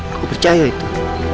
aku percaya itu